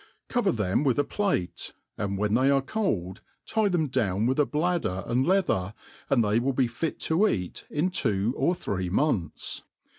Cover them with a plate, and whfen they arc cold, tie them down with a bladder and leather, and they will be fit to eat in two or three months.